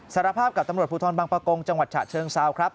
สารภาพกับตำรวจภูทรบางประกงจังหวัดฉะเชิงเซาครับ